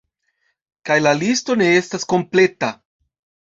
Kaj la listo ne estas kompleta!